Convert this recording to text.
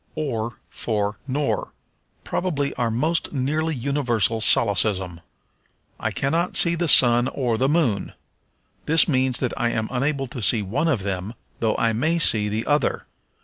Or for Nor. Probably our most nearly universal solecism. "I cannot see the sun or the moon." This means that I am unable to see one of them, though I may see the other.